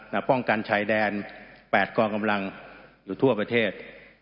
และป้องกันชายแดนแปดกองกำลังอยู่ทั่วประเทศ